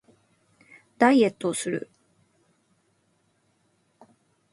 ダイエットをする